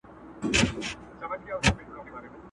خو اوږده لکۍ يې غوڅه سوه لنډی سو؛